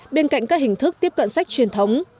bên cạnh các hình thức tiếp cận sách truyền thống